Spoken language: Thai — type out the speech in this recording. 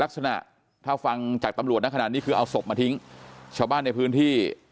ลักษณะถ้าฟังจากตำรวจนะขนาดนี้คือเอาศพมาทิ้งชาวบ้านในพื้นที่